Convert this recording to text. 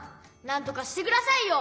なんとかしてくださいよ！